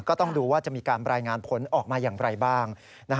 ก็ต้องดูว่าจะมีการรายงานผลออกมาอย่างไรบ้าง